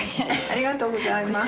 ありがとうございます。